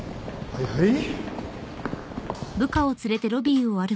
はいはい。